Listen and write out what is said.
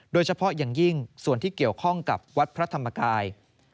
โดยเฉพาะอย่างยิ่งส่วนที่เกี่ยวข้องกับวัดพระธรรมกาย